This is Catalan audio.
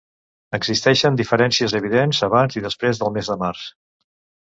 Existeixen diferències evidents abans i després del mes de març.